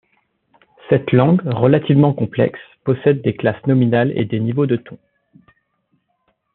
Cette langue, relativement complexe, possède des classes nominales et des niveaux de tons.